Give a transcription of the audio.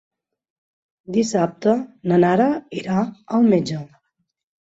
Dissabte na Nara irà al metge.